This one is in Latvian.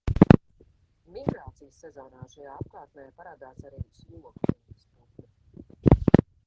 Migrācijas sezonā šajā apkārtnē parādās arī sloku dzimtas putni.